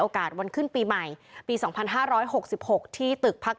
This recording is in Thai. โอกาสวันขึ้นปีใหม่ปีสองพันห้าร้อยหกสิบหกที่ตึกพัก